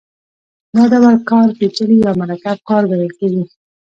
دا ډول کار پېچلی یا مرکب کار ګڼل کېږي